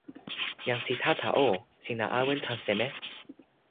jan Sitata o, sina awen tan seme?